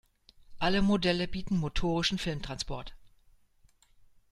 Alle Modelle bieten motorischen Filmtransport.